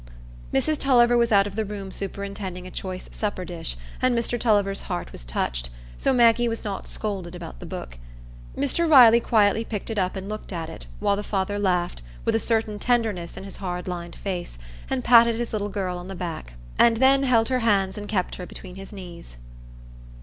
Mrs Tulliver was out of the room superintending a choice supper dish, and Mr Tulliver's heart was touched; so Maggie was not scolded about the book. Mr Riley quietly picked it up and looked at it, while the father laughed, with a certain tenderness in his hard lined face, and patted his little girl on the back, and then held her hands and kept her between his knees.